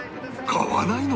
買わないのか？